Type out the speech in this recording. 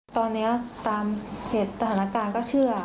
ตอนนี้ตามเหตุการณ์ก็เชื่อ